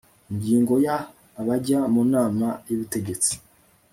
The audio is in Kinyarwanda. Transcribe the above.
ingingo ya abajya mu nama y ubutegetsi